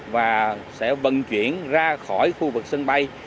và sẽ vận chuyển ra khỏi khu vực sân bay